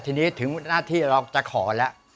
ทีนี้ถึงหน้าที่เราจะขอแล้ว